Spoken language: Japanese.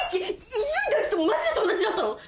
伊集院大樹とマジで友達だったの！？